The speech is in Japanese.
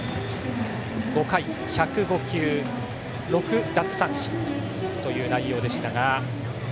５回１０５球６奪三振という内容でした。